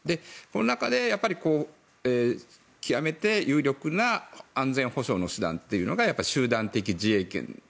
この中で極めて有力な安全保障の手段というのがやっぱり集団的自衛権。